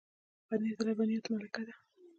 پنېر د لبنیاتو ملکه ده.